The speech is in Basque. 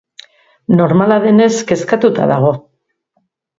Normala denez, kezkatuta dago.